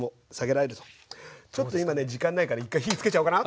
ちょっと今ね時間ないから１回火つけちゃおうかな。